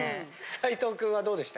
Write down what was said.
齋藤くんはどうでした？